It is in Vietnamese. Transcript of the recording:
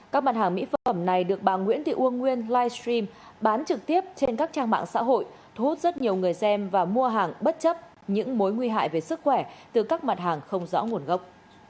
các mặt hàng mỹ phẩm này được bà nguyễn thị uông nguyên livestream bán trực tiếp trên các trang mạng xã hội thu hút rất nhiều người xem và mua hàng bất chấp những mối nguy hại về sức khỏe từ các mặt hàng không rõ nguồn gốc